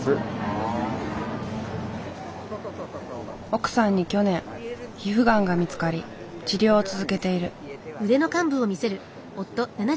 奥さんに去年皮膚がんが見つかり治療を続けている。